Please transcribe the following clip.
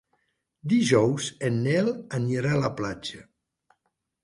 Dijous en Nel anirà a la platja.